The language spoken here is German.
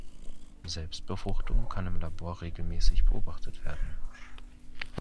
Selbstbefruchtung kann im Labor regelmäßig beobachtet werden.